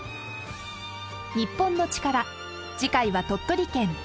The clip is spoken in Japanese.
『日本のチカラ』次回は鳥取県。